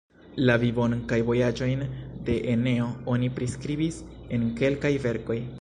La vivon kaj vojaĝojn de Eneo oni priskribis en kelkaj verkoj.